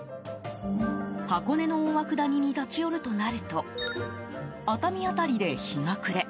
箱根の大涌谷に立ち寄るとなると熱海辺りで日が暮れ